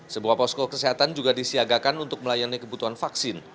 sebuah posko kesehatan juga disiagakan untuk melayani kebutuhan vaksin